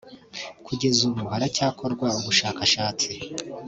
Kugeza ubu haracyakorwa ubushakashatsi